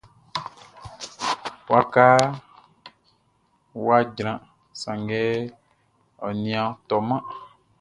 Wakaʼn wʼa jran, sanngɛ ɔ nin a tɔman.